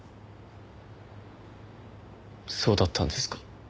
そうだったんですか。